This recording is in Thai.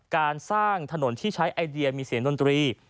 การสร้างถนนที่ใช้ไอเดียมีเสียงดนตรี